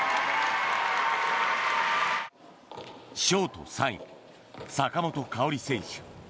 ショート３位、坂本花織選手。